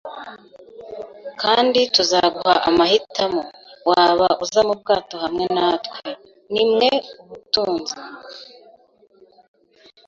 kandi tuzaguha amahitamo. Waba uza mu bwato hamwe natwe, rimwe ubutunzi